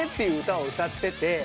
いう歌を歌ってて。